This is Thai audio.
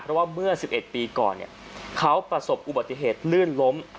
เพราะว่าเมื่อ๑๑ปีก่อนเขาประสบอุบัติเหตุลื่นล้ม